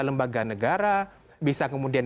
lembaga negara bisa kemudian